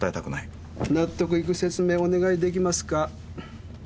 納得いく説明をお願いできますか？